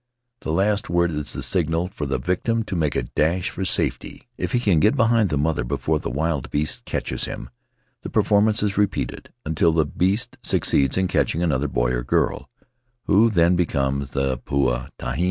The last word is the signal for the victim to make a dash for safety; if he can get behind the mother before the wild beast catches him the performance is repeated until the beast suc ceeds in catching another boy or girl, who then becomes the Puaa Taehae.